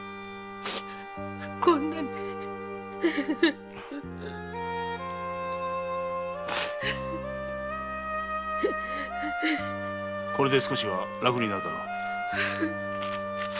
こんなにこれで少しは楽になるだろう。